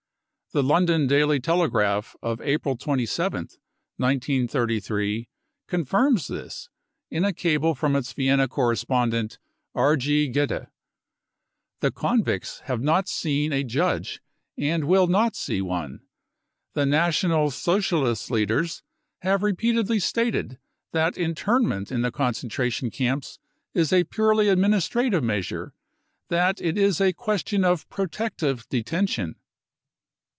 The London Rally Telegraph of 4 April 27th, 1933, confirms this, in a cable from its Vienna corres pondent R. G. Geyde. The " convicts 55 have not seen a judge and will not see one. The National Socialist leaders have repeatedly stated that internment in the concentration camps is a purely administrative measure, that it is a question of protective detention.